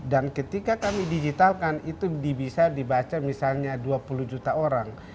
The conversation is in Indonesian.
dan ketika kami digitalkan itu bisa dibaca misalnya dua puluh juta orang